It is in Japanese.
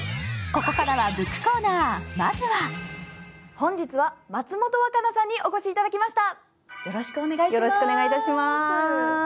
本日は松本若菜さんにお越しいただきました。